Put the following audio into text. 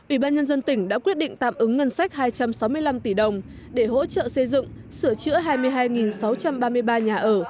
ủy ban nhân dân tỉnh đã quyết định tạm ứng ngân sách hai trăm sáu mươi năm tỷ đồng để hỗ trợ xây dựng sửa chữa hai mươi hai sáu trăm ba mươi ba nhà ở